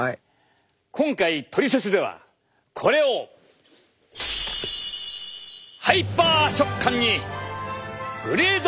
今回「トリセツ」ではこれをハイパー食感にグレードアップさせる！